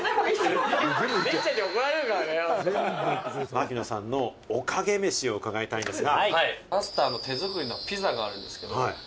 槙野さんのおかげ飯を伺いたいんですが。